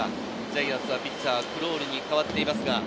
ジャイアンツはピッチャー、クロールに代わっています。